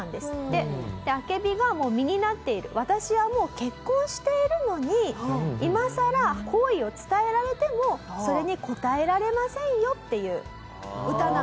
アケビがもう実になっている私はもう結婚しているのに今さら好意を伝えられてもそれに応えられませんよっていう歌なんだそうです。